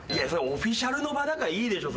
オフィシャルの場だからいいでしょ。